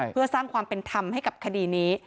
เพื่อสร้างความเป็นธรรมให้กับคดีนี้